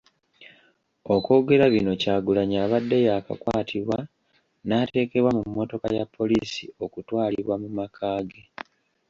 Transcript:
Okwogera bino Kyagulanyi abadde yaakakwatibwa n'ateekebwa mu mmotoka ya poliisi okutwalibwa mumaka ge.